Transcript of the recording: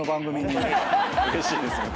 うれしいですね。